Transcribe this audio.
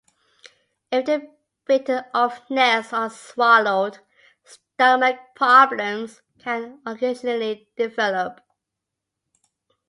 If the bitten-off nails are swallowed, stomach problems can occasionally develop.